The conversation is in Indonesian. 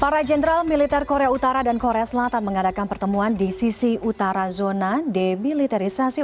para jenderal militer korea utara dan korea selatan mengadakan pertemuan di sisi utara zona demilitarisasi